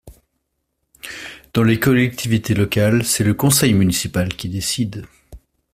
Dans les collectivités locales, c’est le conseil municipal qui décide.